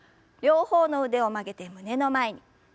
両方の腕を曲げて胸の前に。